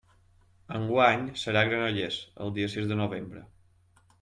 Enguany serà a Granollers, el dia sis de novembre.